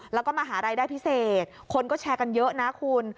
แล้วก็มหาลัยได้พิเศษคนก็แชร์กันเยอะนะคุณ